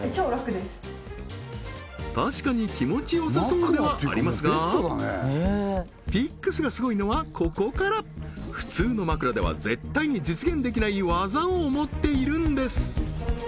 そのではありますがピックスがすごいのはここから普通の枕では絶対に実現できない技を持っているんです